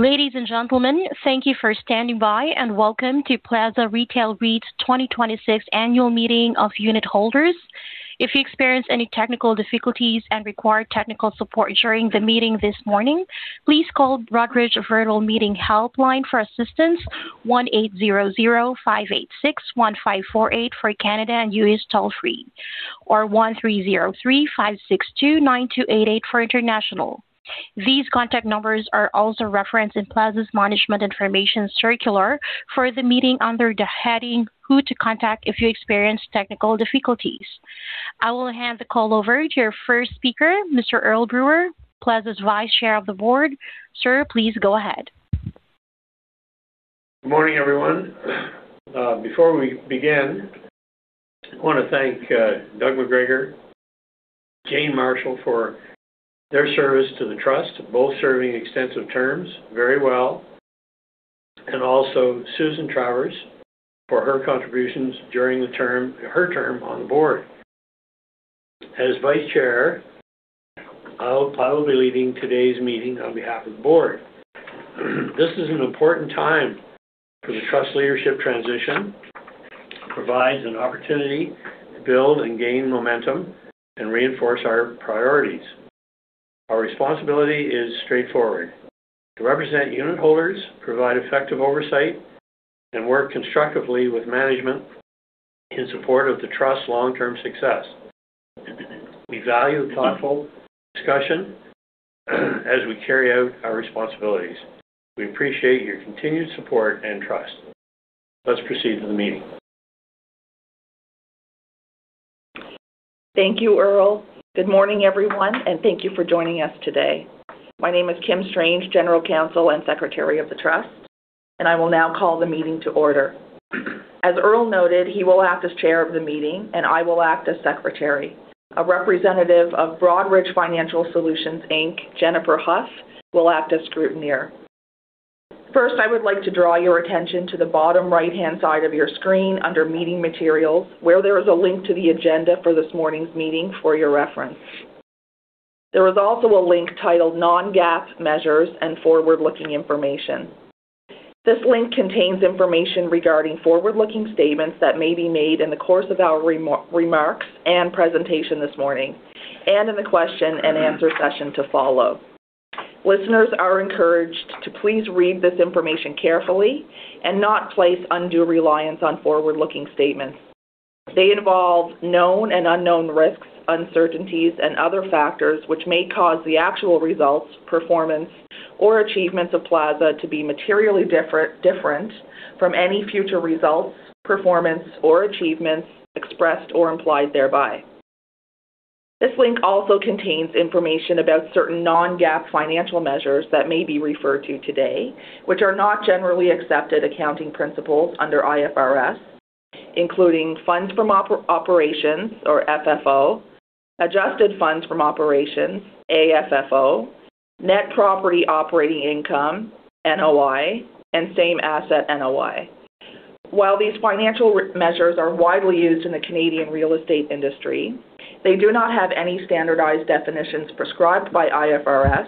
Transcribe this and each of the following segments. Ladies and gentlemen, thank you for standing by. Welcome to Plaza Retail REIT's 2026 Annual Meeting of Unitholders. If you experience any technical difficulties and require technical support during the meeting this morning, please call Broadridge Virtual Meeting Helpline for assistance, 1-800-586-1548 for Canada and U.S. toll-free, or 1-303-562-9288 for international. These contact numbers are also referenced in Plaza's Management Information Circular for the meeting under the heading Who to Contact If You Experience Technical Difficulties. I will hand the call over to your first speaker, Mr. Earl Brewer, Plaza's Vice Chair of the Board. Sir, please go ahead. Good morning, everyone. Before we begin, I want to thank Doug McGregor, Jane Marshall, for their service to the Trust, both serving extensive terms very well, and also Susan Taves for her contributions during her term on the Board. As Vice Chair, I will be leading today's meeting on behalf of the Board. This is an important time for the Trust's leadership transition. It provides an opportunity to build and gain momentum and reinforce our priorities. Our responsibility is straightforward, to represent unitholders, provide effective oversight, and work constructively with management in support of the Trust's long-term success. We value thoughtful discussion as we carry out our responsibilities. We appreciate your continued support and trust. Let's proceed to the meeting. Thank you, Earl. Good morning, everyone, and thank you for joining us today. My name is Kim Strange, General Counsel and Secretary of the Trust, and I will now call the meeting to order. As Earl noted, he will act as Chair of the meeting, and I will act as Secretary. A representative of Broadridge Financial Solutions, Inc., Jennifer Huff, will act as scrutineer. First, I would like to draw your attention to the bottom right-hand side of your screen under Meeting Materials, where there is a link to the agenda for this morning's meeting for your reference. There is also a link titled non-GAAP Measures and Forward-Looking Information. This link contains information regarding forward-looking statements that may be made in the course of our remarks and presentation this morning, and in the question-and-answer session to follow. Listeners are encouraged to please read this information carefully and not place undue reliance on forward-looking statements. They involve known and unknown risks, uncertainties, and other factors which may cause the actual results, performance, or achievements of Plaza to be materially different from any future results, performance, or achievements expressed or implied thereby. This link also contains information about certain non-GAAP financial measures that may be referred to today, which are not generally accepted accounting principles under IFRS, including funds from operations or FFO, adjusted funds from operations, AFFO, net property operating income, NOI, and same asset NOI. While these financial measures are widely used in the Canadian real estate industry, they do not have any standardized definitions prescribed by IFRS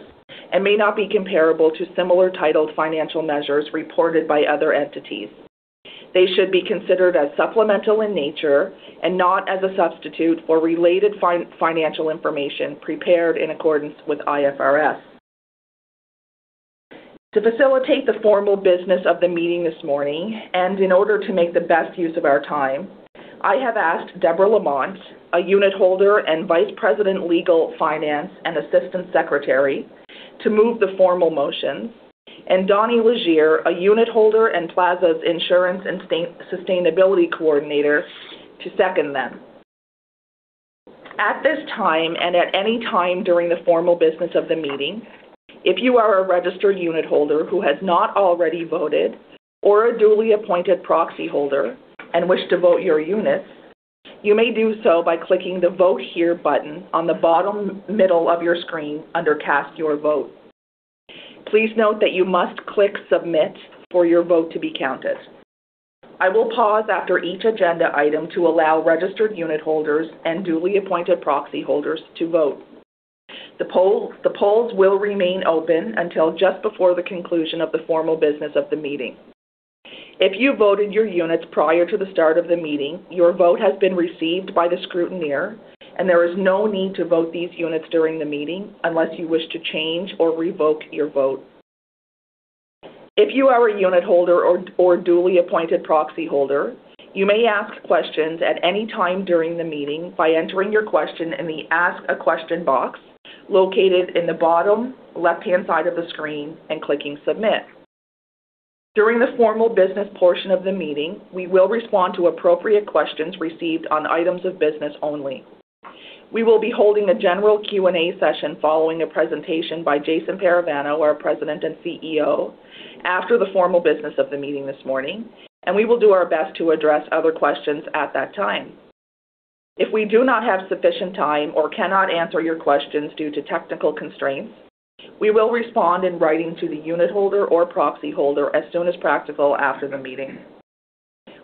and may not be comparable to similar titled financial measures reported by other entities. They should be considered as supplemental in nature and not as a substitute for related financial information prepared in accordance with IFRS. To facilitate the formal business of the meeting this morning, and in order to make the best use of our time, I have asked Debora Lamont, a unitholder and Vice President, Legal Finance, and Assistant Secretary, to move the formal motions, and Donny Légère, a unitholder and Plaza's Insurance and Sustainability Coordinator, to second them. At this time, and at any time during the formal business of the meeting, if you are a registered unitholder who has not already voted or a duly appointed proxyholder and wish to vote your units, you may do so by clicking the Vote Here button on the bottom middle of your screen under Cast Your Vote. Please note that you must click Submit for your vote to be counted. I will pause after each agenda item to allow registered unitholders and duly appointed proxyholders to vote. The polls will remain open until just before the conclusion of the formal business of the meeting. If you voted your units prior to the start of the meeting, your vote has been received by the scrutineer, and there is no need to vote these units during the meeting unless you wish to change or revoke your vote. If you are a unitholder or duly appointed proxyholder, you may ask questions at any time during the meeting by entering your question in the Ask a Question box located in the bottom left-hand side of the screen and clicking Submit. During the formal business portion of the meeting, we will respond to appropriate questions received on items of business only. We will be holding a general Q&A session following a presentation by Jason Parravano, our President and CEO, after the formal business of the meeting this morning, and we will do our best to address other questions at that time. If we do not have sufficient time or cannot answer your questions due to technical constraints, we will respond in writing to the unitholder or proxyholder as soon as practical after the meeting.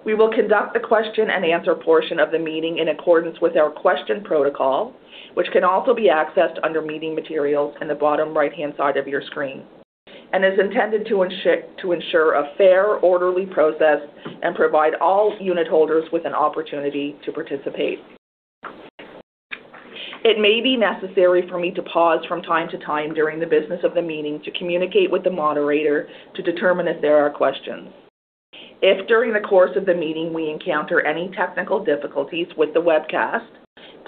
We will conduct the question-and-answer portion of the meeting in accordance with our question protocol, which can also be accessed under Meeting Materials in the bottom right-hand side of your screen and is intended to ensure a fair, orderly process and provide all unitholders with an opportunity to participate. It may be necessary for me to pause from time-to-time during the business of the meeting to communicate with the moderator to determine if there are questions. If, during the course of the meeting, we encounter any technical difficulties with the webcast,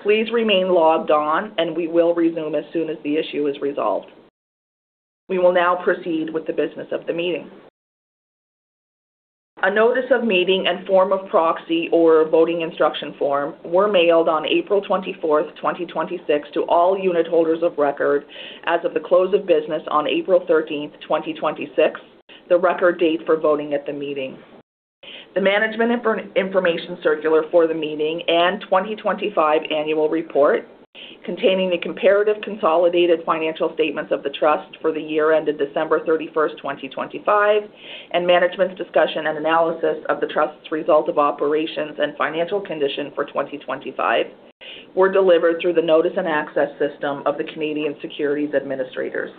please remain logged on and we will resume as soon as the issue is resolved. We will now proceed with the business of the meeting. A Notice of Meeting and Form of Proxy or Voting Instruction Form were mailed on April 24th, 2026 to all unitholders of record as of the close of business on April 13th, 2026, the record date for voting at the meeting. The Management Information Circular for the meeting and 2025 Annual Report, containing the comparative consolidated financial statements of the trust for the year-ended December 31st, 2025, and management's discussion and analysis of the trust's result of operations and financial condition for 2025 were delivered through the notice and access system of the Canadian Securities Administrators.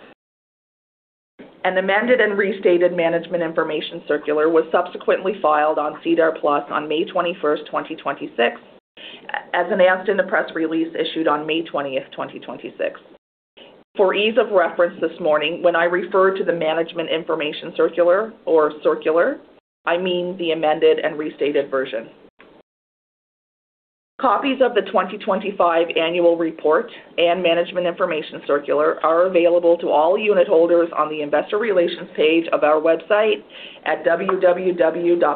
An amended and restated Management Information Circular was subsequently filed on SEDAR+ on May 21st, 2026, as announced in the press release issued on May 20th, 2026. For ease of reference this morning, when I refer to the Management Information Circular or Circular, I mean the amended and restated version. Copies of the 2025 Annual Report and Management Information Circular are available to all unitholders on the Investor Relations page of our website at www.plaza.ca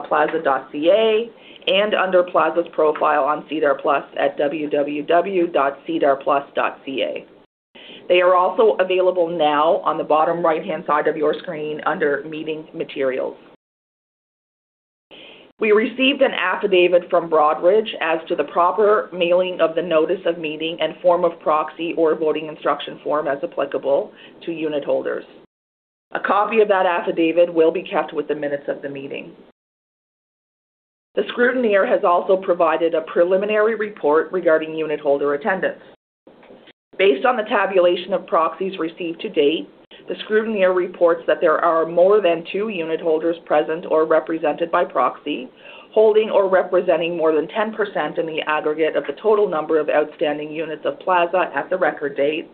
and under Plaza's profile on SEDAR+ at www.sedarplus.ca. They are also available now on the bottom right-hand side of your screen under Meeting Materials. We received an affidavit from Broadridge as to the proper mailing of the Notice of Meeting and Form of Proxy or Voting Instruction Form, as applicable, to unitholders. A copy of that affidavit will be kept with the minutes of the meeting. The scrutineer has also provided a preliminary report regarding unitholder attendance. Based on the tabulation of proxies received to-date, the scrutineer reports that there are more than two unitholders present or represented by proxy, holding or representing more than 10% in the aggregate of the total number of outstanding units of Plaza at the record date,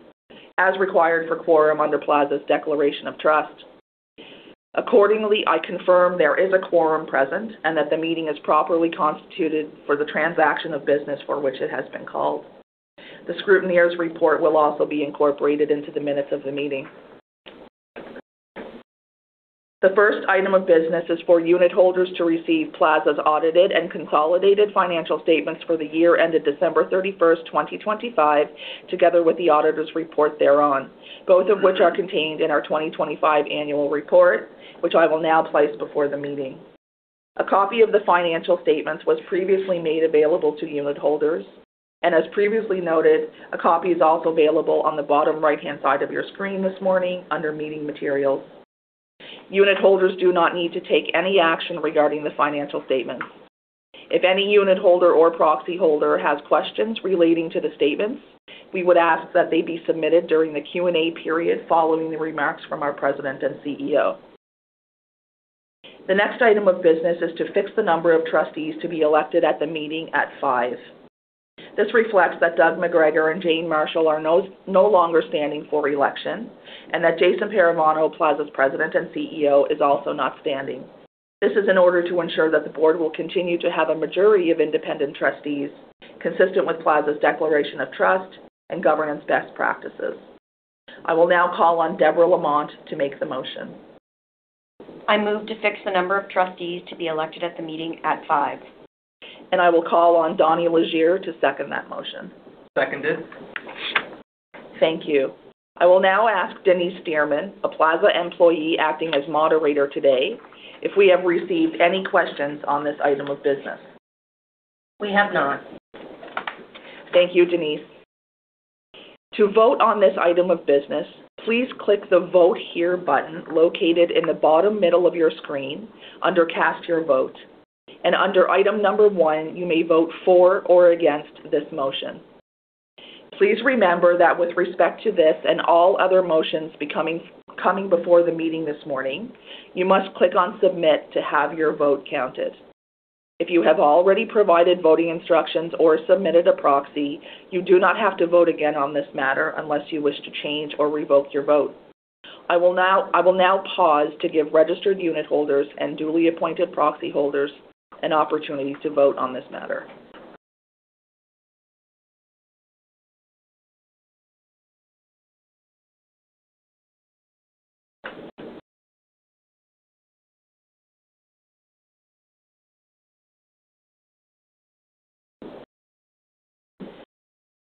as required for quorum under Plaza's declaration of trust. Accordingly, I confirm there is a quorum present and that the meeting is properly constituted for the transaction of business for which it has been called. The scrutineer's report will also be incorporated into the minutes of the meeting. The first item of business is for unitholders to receive Plaza's audited and consolidated financial statements for the year ended December 31st, 2025, together with the auditor's report thereon, both of which are contained in our 2025 Annual Report, which I will now place before the meeting. A copy of the financial statements was previously made available to unitholders, and as previously noted, a copy is also available on the bottom right-hand side of your screen this morning under Meeting Materials. Unitholders do not need to take any action regarding the financial statements. If any unitholder or proxyholder has questions relating to the statements, we would ask that they be submitted during the Q&A period following the remarks from our President and CEO. The next item of business is to fix the number of trustees to be elected at the meeting at five. This reflects that Doug McGregor and Jane Marshall are no longer standing for re-election, and that Jason Parravano, Plaza's President and CEO, is also not standing. This is in order to ensure that the Board will continue to have a majority of independent trustees, consistent with Plaza's declaration of trust and governance best practices. I will now call on Debora Lamont to make the motion. I move to fix the number of trustees to be elected at the meeting at five. I will call on Donny Légère to second that motion. Seconded. Thank you. I will now ask Denise Dearman, a Plaza employee acting as moderator today, if we have received any questions on this item of business. We have not. Thank you, Denise. To vote on this item of business, please click the Vote Here button located in the bottom middle of your screen under Cast Your Vote. Under item number one, you may vote for or against this motion. Please remember that with respect to this and all other motions coming before the meeting this morning, you must click on Submit to have your vote counted. If you have already provided voting instructions or submitted a proxy, you do not have to vote again on this matter unless you wish to change or revoke your vote. I will now pause to give registered unitholders and duly appointed proxyholders an opportunity to vote on this matter.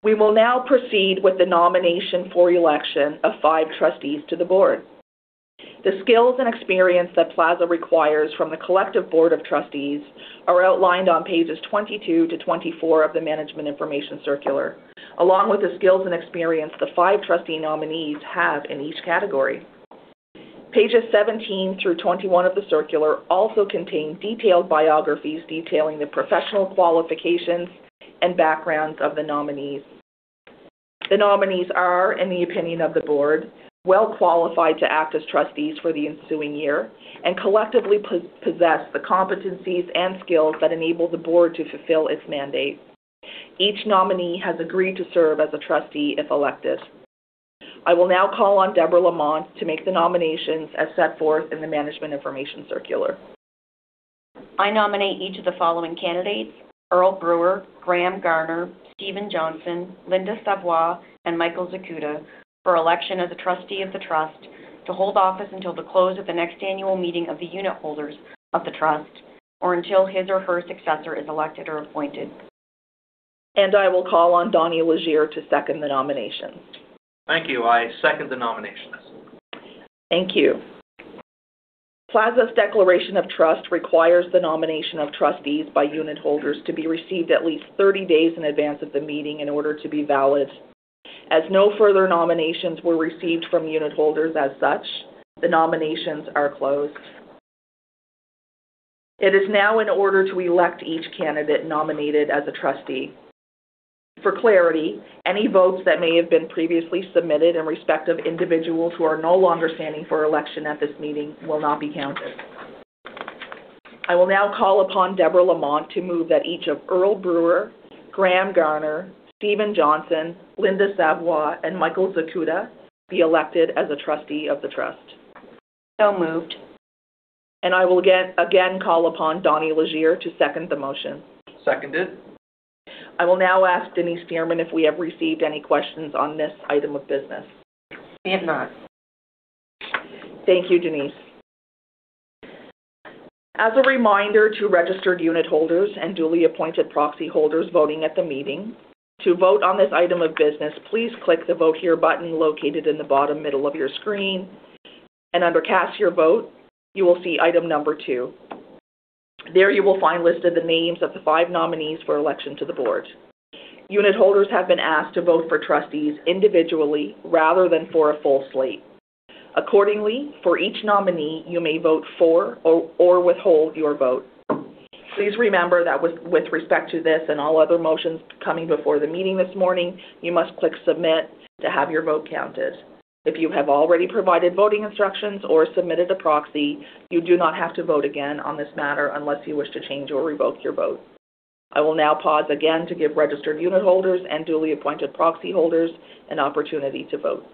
We will now proceed with the nomination for election of five Trustees to the Board. The skills and experience that Plaza requires from the collective Board of Trustees are outlined on pages 22 to 24 of the Management Information Circular, along with the skills and experience the five trustee nominees have in each category. Pages 17 through 21 of the circular also contain detailed biographies detailing the professional qualifications and backgrounds of the nominees. The nominees are, in the opinion of the Board, well qualified to act as Trustees for the ensuing year and collectively possess the competencies and skills that enable the Board to fulfill its mandate. Each nominee has agreed to serve as a Trustee if elected. I will now call on Debora Lamont to make the nominations as set forth in the Management Information Circular. I nominate each of the following candidates, Earl Brewer, Graham Garner, Stephen Johnson, Lynda Savoie, and Michael Zakuta for election as a Trustee of the trust to hold office until the close of the next Annual Meeting of the Unitholders of the trust, or until his or her successor is elected or appointed. I will call on Donny Légère to second the nomination. Thank you. I second the nominations. Thank you. Plaza's declaration of trust requires the nomination of trustees by unitholders to be received at least 30 days in advance of the meeting in order to be valid. No further nominations were received from unitholders as such, the nominations are closed. It is now in order to elect each candidate nominated as a Trustee. For clarity, any votes that may have been previously submitted in respect of individuals who are no longer standing for election at this meeting will not be counted. I will now call upon Debora Lamont to move that each of Earl Brewer, Graham Garner, Stephen Johnson, Lynda Savoie, and Michael Zakuta be elected as a trustee of the trust. So moved. I will again call upon Donny Légère to second the motion. Seconded. I will now ask Denise Dearman if we have received any questions on this item of business. We have not. Thank you, Denise. As a reminder to registered unitholders and duly appointed proxyholders voting at the meeting, to vote on this item of business, please click the Vote Here button located in the bottom middle of your screen. Under Cast Your Vote, you will see item number two. There you will find listed the names of the five nominees for election to the Board. Unitholders have been asked to vote for Trustees individually rather than for a full slate. Accordingly, for each nominee, you may vote for or withhold your vote. Please remember that with respect to this and all other motions coming before the meeting this morning, you must click Submit to have your vote counted. If you have already provided voting instructions or submitted a proxy, you do not have to vote again on this matter unless you wish to change or revoke your vote. I will now pause again to give registered unitholders and duly appointed proxyholders an opportunity to vote.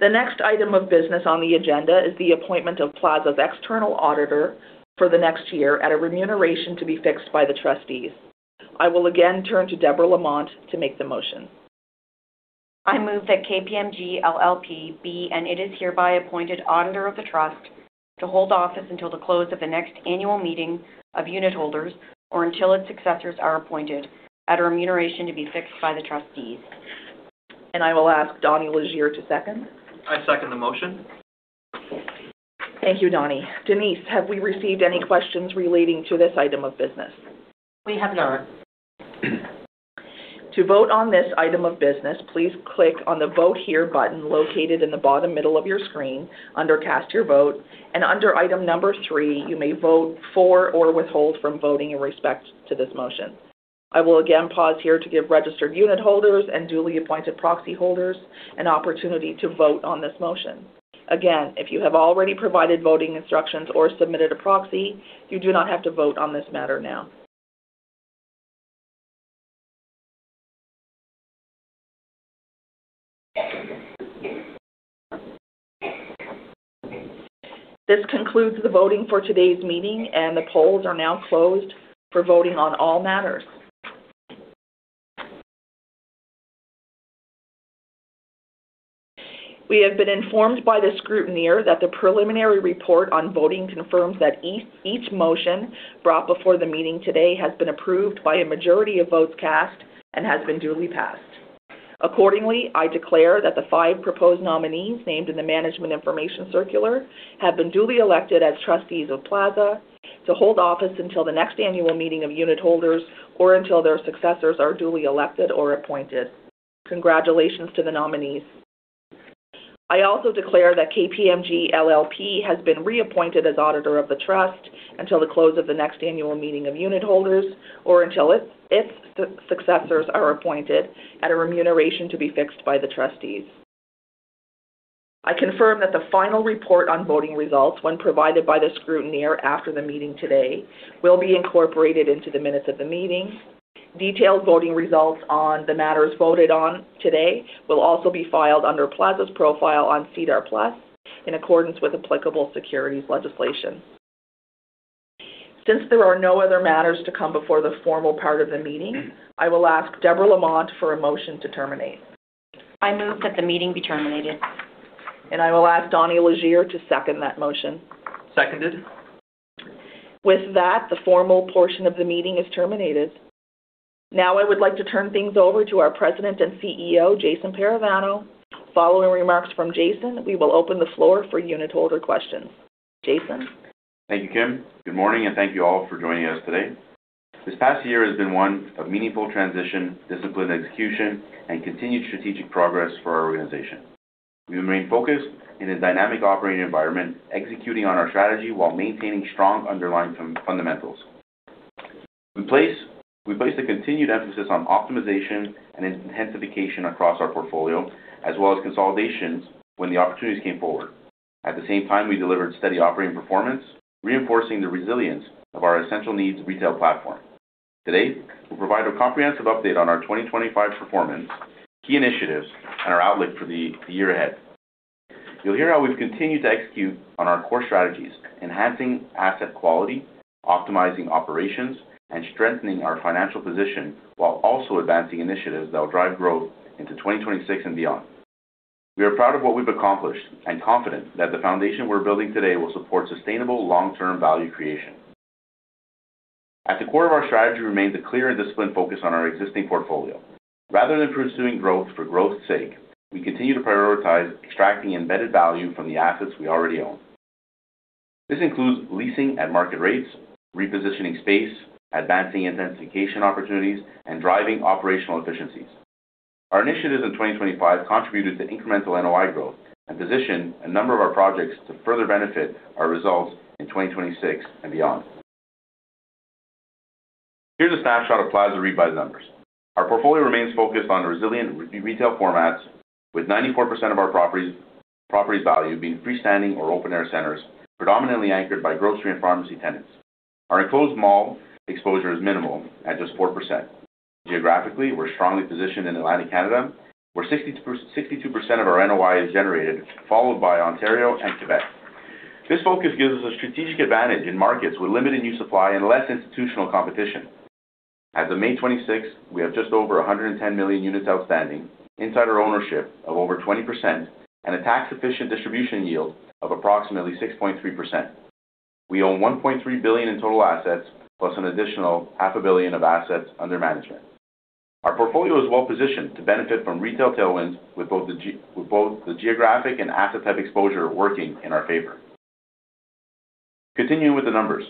The next item of business on the agenda is the appointment of Plaza's external auditor for the next year at a remuneration to be fixed by the Trustees. I will again turn to Debora Lamont to make the motion. I move that KPMG LLP be, and it is hereby appointed Auditor of the trust to hold office until the close of the next Annual Meeting of Unitholders or until its successors are appointed at a remuneration to be fixed by the Trustees. I will ask Donny Légère to second. I second the motion. Thank you, Donny. Denise, have we received any questions relating to this item of business? We have not. To vote on this item of business, please click on the Vote Here button located in the bottom middle of your screen under Cast Your Vote. Under item number three, you may vote for or withhold from voting in respect to this motion. I will again pause here to give registered unitholders and duly appointed proxyholders an opportunity to vote on this motion. Again, if you have already provided voting instructions or submitted a proxy, you do not have to vote on this matter now. This concludes the voting for today's meeting, and the polls are now closed for voting on all matters. We have been informed by the scrutineer that the preliminary report on voting confirms that each motion brought before the meeting today has been approved by a majority of votes cast and has been duly passed. Accordingly, I declare that the five proposed nominees named in the Management Information Circular have been duly elected as Trustees of Plaza to hold office until the next Annual Meeting of Unitholders or until their successors are duly elected or appointed. Congratulations to the nominees. I also declare that KPMG LLP has been reappointed as Auditor of the Trust until the close of the next Annual Meeting of Unitholders, or until its successors are appointed at a remuneration to be fixed by the Trustees. I confirm that the final report on voting results, when provided by the scrutineer after the meeting today, will be incorporated into the minutes of the meeting. Detailed voting results on the matters voted on today will also be filed under Plaza's profile on SEDAR+ in accordance with applicable securities legislation. Since there are no other matters to come before the formal part of the meeting, I will ask Debora Lamont for a motion to terminate. I move that the meeting be terminated. I will ask Donny Légère to second that motion. Seconded. With that, the formal portion of the meeting is terminated. Now I would like to turn things over to our President and CEO, Jason Parravano. Following remarks from Jason, we will open the floor for unitholder questions. Jason? Thank you, Kim. Good morning, and thank you all for joining us today. This past year has been one of meaningful transition, disciplined execution, and continued strategic progress for our organization. We remain focused in a dynamic operating environment, executing on our strategy while maintaining strong underlying fundamentals. We place a continued emphasis on optimization and intensification across our portfolio, as well as consolidations when the opportunities came forward. At the same time, we delivered steady operating performance, reinforcing the resilience of our essential needs retail platform. Today, we'll provide a comprehensive update on our 2025 performance, key initiatives, and our outlook for the year ahead. You'll hear how we've continued to execute on our core strategies, enhancing asset quality, optimizing operations, and strengthening our financial position while also advancing initiatives that will drive growth into 2026 and beyond. We are proud of what we've accomplished and confident that the foundation we're building today will support sustainable long-term value creation. At the core of our strategy remains a clear and disciplined focus on our existing portfolio. Rather than pursuing growth for growth's sake, we continue to prioritize extracting embedded value from the assets we already own. This includes leasing at market rates, repositioning space, advancing intensification opportunities, and driving operational efficiencies. Our initiatives in 2025 contributed to incremental NOI growth and positioned a number of our projects to further benefit our results in 2026 and beyond. Here's a snapshot of Plaza Retail REIT by the numbers. Our portfolio remains focused on resilient retail formats, with 94% of our property's value being freestanding or open-air centers, predominantly anchored by grocery and pharmacy tenants. Our enclosed mall exposure is minimal at just 4%. Geographically, we're strongly positioned in Atlantic Canada, where 62% of our NOI is generated, followed by Ontario and Quebec. This focus gives us a strategic advantage in markets with limited new supply and less institutional competition. As of May 26th, we have just over 110 million units outstanding, insider ownership of over 20%, and a tax-efficient distribution yield of approximately 6.3%. We own 1.3 billion in total assets, plus an additional 500 million of assets under management. Our portfolio is well-positioned to benefit from retail tailwinds with both the geographic and asset type exposure working in our favor. Continuing with the numbers.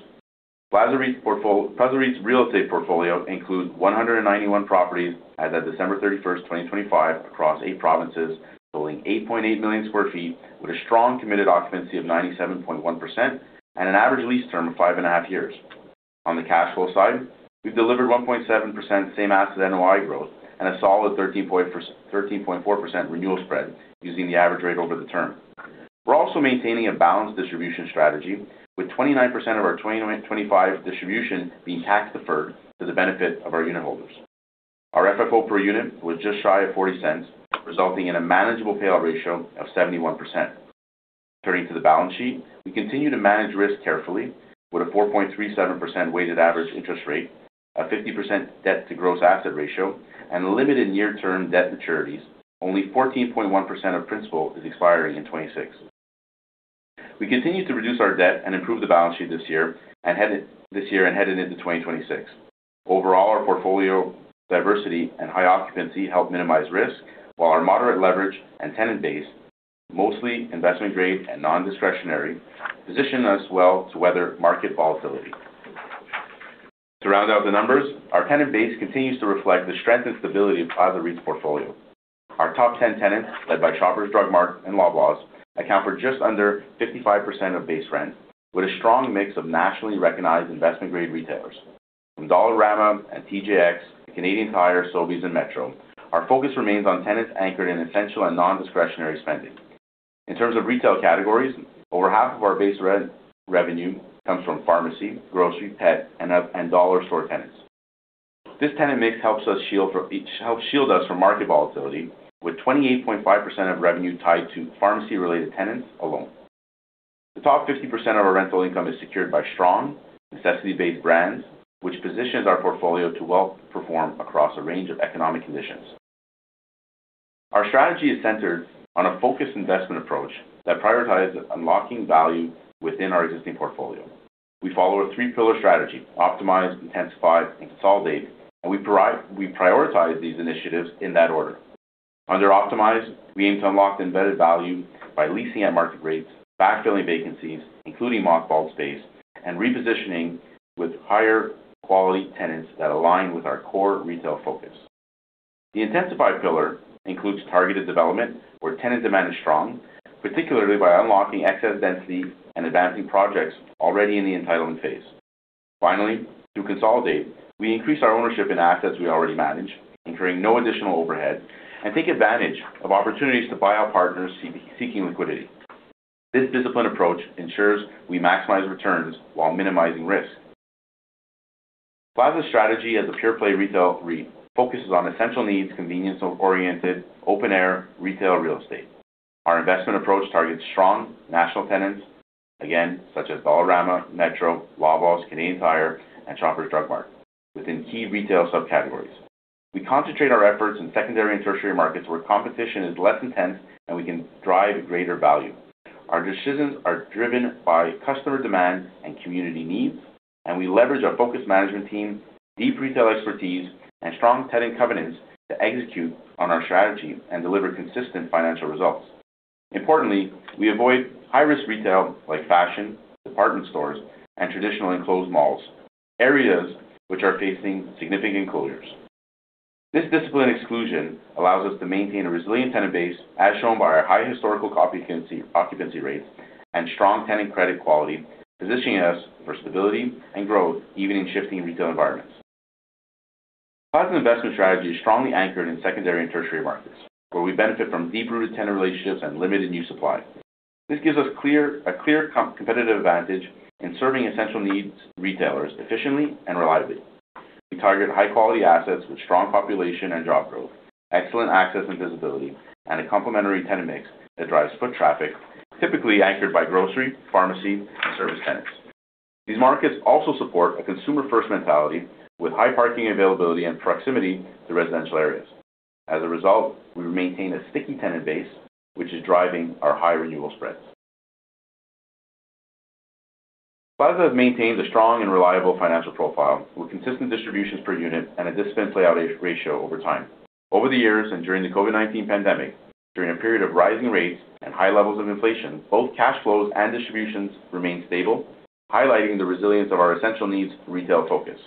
Plaza REIT's real estate portfolio includes 191 properties as of December 31st, 2025, across eight provinces, totaling 8.8 million sq ft, with a strong committed occupancy of 97.1% and an average lease term of five and a half years. On the cash flow side, we've delivered 1.7% same asset NOI growth and a solid 13.4% renewal spread using the average rate over the term. We're also maintaining a balanced distribution strategy, with 29% of our 2025 distribution being tax-deferred for the benefit of our unitholders. Our FFO per unit was just shy of 0.40, resulting in a manageable payout ratio of 71%. Turning to the balance sheet, we continue to manage risk carefully with a 4.37% weighted average interest rate, a 50% debt-to-gross asset ratio, and limited near-term debt maturities. Only 14.1% of principal is expiring in 2026. We continue to reduce our debt and improve the balance sheet this year and headed into 2026. Overall, our portfolio diversity and high occupancy help minimize risk, while our moderate leverage and tenant base, mostly investment-grade and non-discretionary, position us well to weather market volatility. To round out the numbers, our tenant base continues to reflect the strength and stability of Plaza Retail REIT's portfolio. Our top 10 tenants, led by Shoppers Drug Mart and Loblaws, account for just under 55% of base rent, with a strong mix of nationally recognized investment-grade retailers. From Dollarama and TJX to Canadian Tire, Sobeys, and Metro, our focus remains on tenants anchored in essential and non-discretionary spending. In terms of retail categories, over half of our base rent revenue comes from pharmacy, grocery, pet, and dollar store tenants. This tenant mix helps shield us from market volatility, with 28.5% of revenue tied to pharmacy-related tenants alone. The top 50% of our rental income is secured by strong necessity-based brands, which positions our portfolio to well perform across a range of economic conditions. Our strategy is centered on a focused investment approach that prioritizes unlocking value within our existing portfolio. We follow a three-pillar strategy: optimize, intensify, and consolidate, and we prioritize these initiatives in that order. Under optimize, we aim to unlock the embedded value by leasing at market rates, backfilling vacancies, including mothballed space, and repositioning with higher quality tenants that align with our core retail focus. The intensify pillar includes targeted development where tenant demand is strong, particularly by unlocking excess density and advancing projects already in the entitlement phase. Finally, to consolidate, we increase our ownership in assets we already manage, incurring no additional overhead, and take advantage of opportunities to buy out partners seeking liquidity. This disciplined approach ensures we maximize returns while minimizing risk. Plaza's strategy as a pure-play retail REIT focuses on essential needs, convenience-oriented, open-air, retail real estate. Our investment approach targets strong national tenants, again, such as Dollarama, Metro, Loblaws, Canadian Tire, and Shoppers Drug Mart within key retail subcategories. We concentrate our efforts in secondary and tertiary markets where competition is less intense and we can drive greater value. Our decisions are driven by customer demand and community needs, and we leverage our focused management team, deep retail expertise, and strong tenant covenants to execute on our strategy and deliver consistent financial results. Importantly, we avoid high-risk retail like fashion, department stores, and traditional enclosed malls, areas which are facing significant closures. This disciplined exclusion allows us to maintain a resilient tenant base, as shown by our high historical occupancy rates and strong tenant credit quality, positioning us for stability and growth even in shifting retail environments. Plaza's investment strategy is strongly anchored in secondary and tertiary markets, where we benefit from deep-rooted tenant relationships and limited new supply. This gives us a clear competitive advantage in serving essential needs retailers efficiently and reliably. We target high-quality assets with strong population and job growth, excellent access and visibility, and a complementary tenant mix that drives foot traffic, typically anchored by grocery, pharmacy, and service tenants. These markets also support a consumer-first mentality with high parking availability and proximity to residential areas. As a result, we maintain a sticky tenant base, which is driving our high renewal spreads. Plaza has maintained a strong and reliable financial profile with consistent distributions per unit and a disciplined payout ratio over time. Over the years and during the COVID-19 pandemic, during a period of rising rates and high levels of inflation, both cash flows and distributions remained stable, highlighting the resilience of our essential needs retail focus.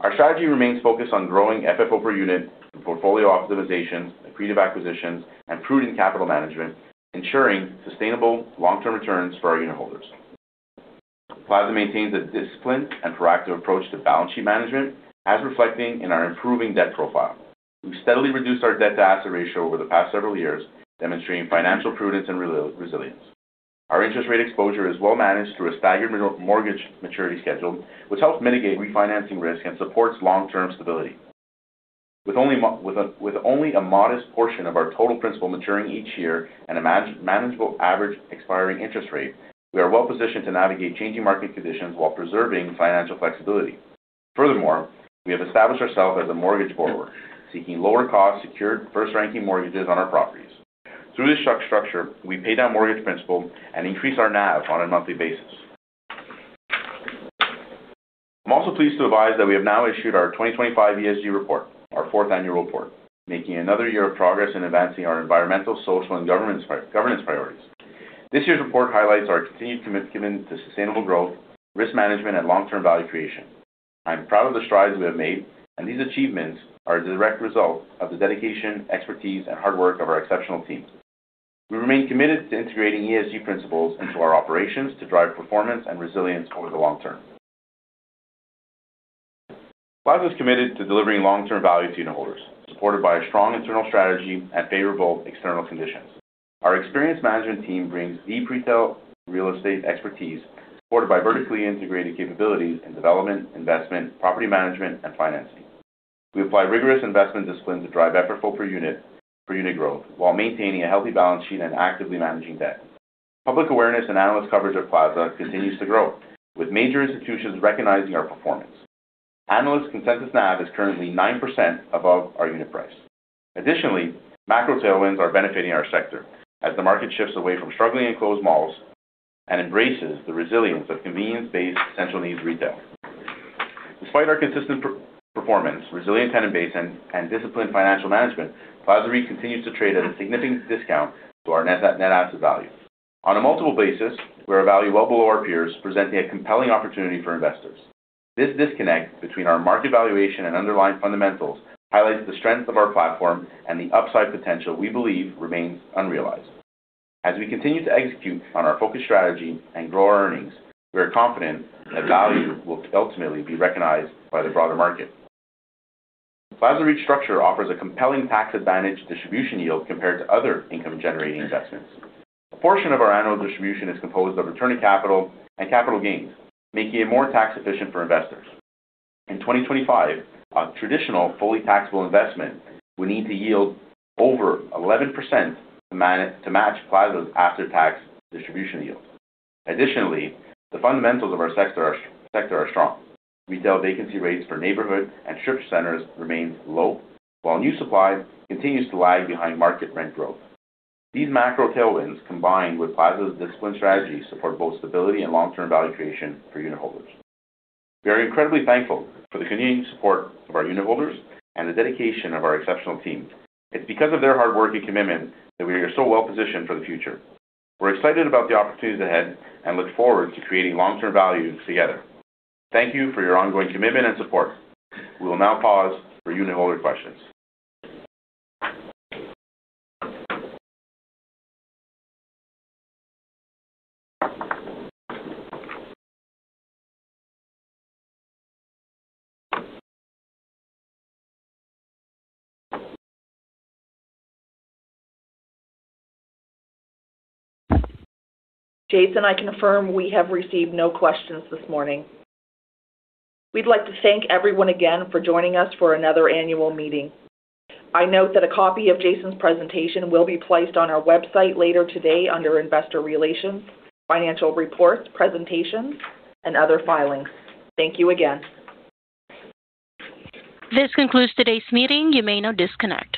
Our strategy remains focused on growing FFO per unit through portfolio optimization, accretive acquisitions, and prudent capital management, ensuring sustainable long-term returns for our unitholders. Plaza maintains a disciplined and proactive approach to balance sheet management, as reflecting in our improving debt profile. We've steadily reduced our debt-to-asset ratio over the past several years, demonstrating financial prudence and resilience. Our interest rate exposure is well managed through a staggered mortgage maturity schedule, which helps mitigate refinancing risk and supports long-term stability. With only a modest portion of our total principal maturing each year and a manageable average expiring interest rate, we are well positioned to navigate changing market conditions while preserving financial flexibility. Furthermore, we have established ourselves as a mortgage borrower, seeking lower cost secured first-ranking mortgages on our properties. Through this structure, we pay down mortgage principal and increase our NAV on a monthly basis. I'm also pleased to advise that we have now issued our 2025 ESG report, our fourth annual report, making another year of progress in advancing our environmental, social, and governance priorities. This year's report highlights our continued commitment to sustainable growth, risk management, and long-term value creation. I'm proud of the strides we have made, and these achievements are a direct result of the dedication, expertise, and hard work of our exceptional teams. We remain committed to integrating ESG principles into our operations to drive performance and resilience over the long term. Plaza is committed to delivering long-term value to unitholders, supported by a strong internal strategy and favorable external conditions. Our experienced management team brings deep retail real estate expertise, supported by vertically integrated capabilities in development, investment, property management, and financing. We apply rigorous investment discipline to drive FFO per unit growth while maintaining a healthy balance sheet and actively managing debt. Public awareness and analyst coverage of Plaza continues to grow, with major institutions recognizing our performance. Analyst consensus NAV is currently 9% above our unit price. Additionally, macro tailwinds are benefiting our sector as the market shifts away from struggling enclosed malls and embraces the resilience of convenience-based essential needs retail. Despite our consistent performance, resilient tenant base, and disciplined financial management, Plaza REIT continues to trade at a significant discount to our net asset value. On a multiple basis, we're valued well below our peers, presenting a compelling opportunity for investors. This disconnect between our market valuation and underlying fundamentals highlights the strength of our platform and the upside potential we believe remains unrealized. As we continue to execute on our focused strategy and grow our earnings, we are confident that value will ultimately be recognized by the broader market. Plaza Retail REIT's structure offers a compelling tax-advantaged distribution yield compared to other income-generating investments. A portion of our annual distribution is composed of return of capital and capital gains, making it more tax efficient for investors. In 2025, a traditional fully taxable investment will need to yield over 11% to match Plaza's after-tax distribution yield. Additionally, the fundamentals of our sector are strong. Retail vacancy rates for neighborhood and strip centers remains low, while new supply continues to lag behind market rent growth. These macro tailwinds, combined with Plaza's disciplined strategy, support both stability and long-term value creation for unitholders. We are incredibly thankful for the continuing support of our unitholders and the dedication of our exceptional teams. It's because of their hard work and commitment that we are so well positioned for the future. We're excited about the opportunities ahead and look forward to creating long-term value together. Thank you for your ongoing commitment and support. We will now pause for unitholder questions. Jason, I confirm we have received no questions this morning. We'd like to thank everyone again for joining us for another Annual Meeting. I note that a copy of Jason's presentation will be placed on our website later today under Investor Relations, Financial Reports, Presentations, and Other filings. Thank you again. This concludes today's meeting. You may now disconnect.